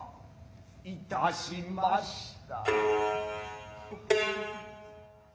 いたしました。